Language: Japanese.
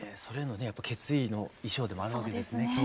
それのね決意の衣装でもあるわけですね。